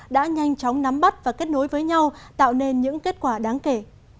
đã nhanh chóng nắm bắt và kết nối với nhau tạo nên những kết quả đáng kể